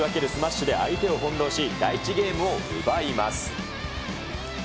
左右へ打ち分けるスマッシュで相手を翻弄し、第１ゲームを奪います。